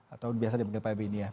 atau biasa dipanggil pak benny ya